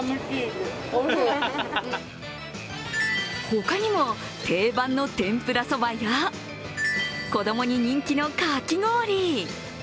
他にも定番の天ぷらそばや子供に人気のかき氷。